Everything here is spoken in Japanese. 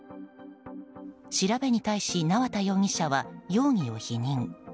調べに対し縄田容疑者は容疑を否認。